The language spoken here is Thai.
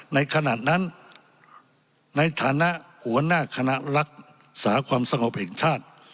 ในขณะนั้นในฐานะหัวหน้าคณะรักษาความสงบแห่งชาติ